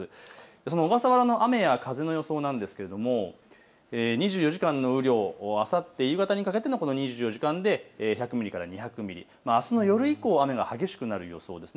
その小笠原の雨や風の予想なんですが２４時間の雨量、あさって夕方にかけての２４時間で１００ミリから２００ミリ、あすの夜以降、激しくなりそうです。